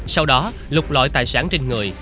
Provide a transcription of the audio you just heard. sau đó lục lội tài sản trên người